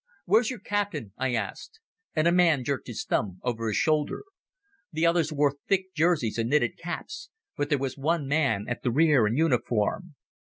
"Where's your captain?" I asked, and a man jerked his thumb over his shoulder. The others wore thick jerseys and knitted caps, but there was one man at the rear in uniform.